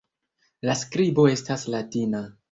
La skribo estas latina.